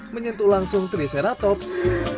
menyentuh langsung triceratops